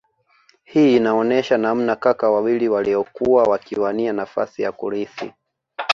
Hii inaonesha namna kaka wawili waliokuwa wakiwania nafasi ya kurithi